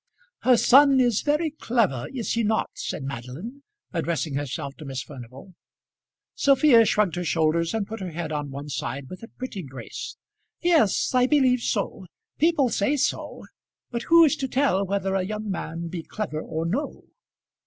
"Her son is very clever, is he not?" said Madeline, addressing herself to Miss Furnival. Sophia shrugged her shoulders and put her head on one side with a pretty grace. "Yes, I believe so. People say so. But who is to tell whether a young man be clever or no?"